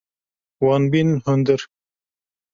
Wan bînin hundir.